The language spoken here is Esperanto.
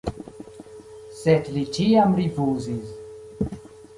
Sed li ĉiam rifuzis.